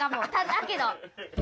だけど。